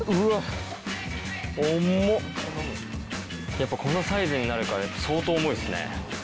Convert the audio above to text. やっぱこのサイズになるから相当重いですね。